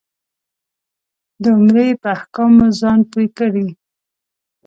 د عمرې په احکامو ځان پوی کړې.